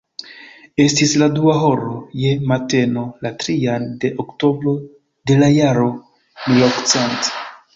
Estis la dua horo je mateno, la trian de oktobro de la jaro milokcent..